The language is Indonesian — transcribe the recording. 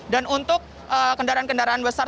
dan untuk kendaraan kendaraan besar